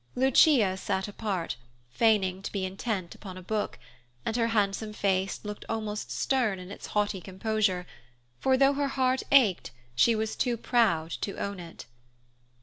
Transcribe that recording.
Lucia sat apart, feigning to be intent upon a book, and her handsome face looked almost stern in its haughty composure, for though her heart ached, she was too proud to own it.